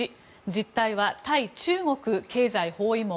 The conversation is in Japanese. １実態は、対中国経済包囲網